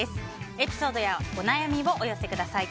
エピソードやお悩みをお寄せください。